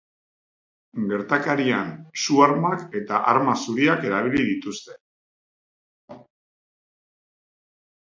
Gertakarian su-armak eta arma zuriak erabili dituzte.